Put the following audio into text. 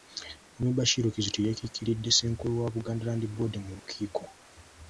Mwami Bashir Kizito y'eyakiikiridde Ssenkulu wa Buganda Land Board mu lukiiko.